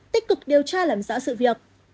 tích cực điều tra làm rõ sự việc